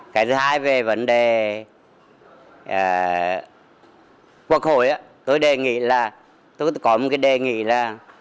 cái thứ hai về vấn đề quốc hội tôi đề nghị là tôi có một cái đề nghị là